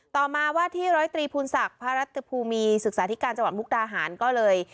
ต่อมาว่าที่ร้อยตรีภูนศักดิ์พระรัตภูมิศึกษาธิการจังหวัดมุกดาหารก็เลย